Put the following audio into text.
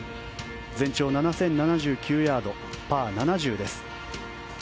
全長７０７９ヤードパー７０です。